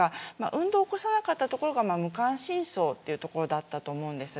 運動を起こさなかったところが無関心層というところだったと思います。